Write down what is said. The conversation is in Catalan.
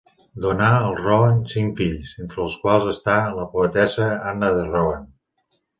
Donà als Rohan cinc fills, entre els quals està la poetessa Anna de Rohan.